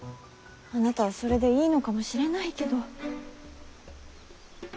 あなたはそれでいいのかもしれないけど。